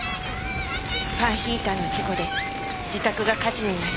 ファンヒーターの事故で自宅が火事になり